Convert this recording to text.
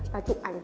và chụp ảnh này